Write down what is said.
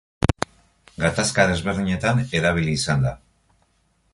Gatazka desberdinetan erabili izan da.